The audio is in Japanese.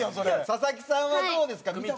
佐々木さんはどうですか？